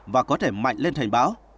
và có thể mạnh lên thành báo